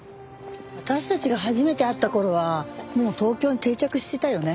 私たちが初めて会った頃はもう東京に定着してたよね。